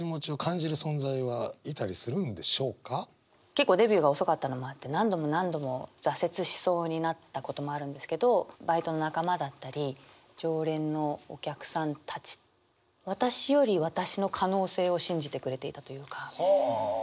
結構デビューが遅かったのもあって何度も何度も挫折しそうになったこともあるんですけど私より私の可能性を信じてくれていたというか。